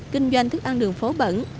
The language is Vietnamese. kinh doanh thức ăn đường phố bẩn